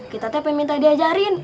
kita tepe minta diajarin